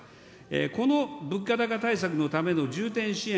この物価高対策のための重点支援